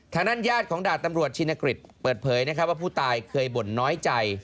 ทางด้านญาติของดาบตำรวจชินกฤษเปิดเผยว่าผู้ตายเคยบ่นน้อยใจ